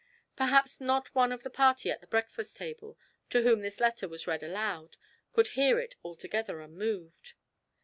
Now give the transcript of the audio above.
Perhaps not one of the party at the breakfast table, to whom this letter was read aloud, could hear it altogether unmoved.